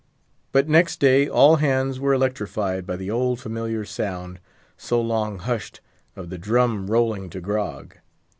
But next day all hands were electrified by the old familiar sound—so long hushed—of the drum rolling to grog.